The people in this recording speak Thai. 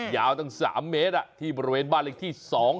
ยาวตั้ง๓เมตรที่บริเวณบ้านเลขที่๒